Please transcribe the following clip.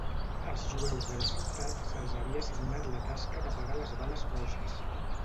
Als jueus de la ciutat se'ls havia assignat la tasca d'apagar les bales roges.